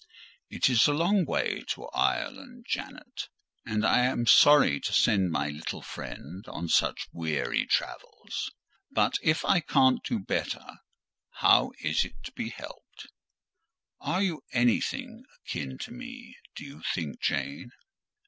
"It is a long way to Ireland, Janet, and I am sorry to send my little friend on such weary travels: but if I can't do better, how is it to be helped? Are you anything akin to me, do you think, Jane?"